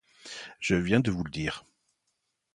Je viens de vous le dire.